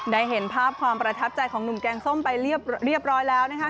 ได้เห็นภาพความประทับใจของหนุ่มแกงส้มไปเรียบร้อยแล้วนะคะ